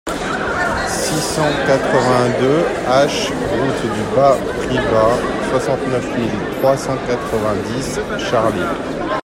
six cent quatre-vingt-deux H route du Bas Privas, soixante-neuf mille trois cent quatre-vingt-dix Charly